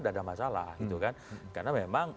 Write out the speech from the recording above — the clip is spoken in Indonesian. tidak ada masalah gitu kan karena memang